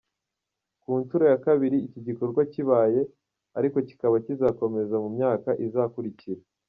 Ni ku nshuro ya kabiri iki gikorwa kibaye, ariko kikaba kizakomeza mu myaka izakurikira.